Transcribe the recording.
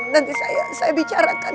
nanti saya bicarakan